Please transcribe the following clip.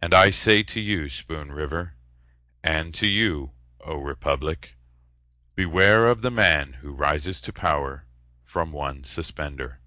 And I say to you, Spoon River, And to you, O republic, Beware of the man who rises to power From one suspender.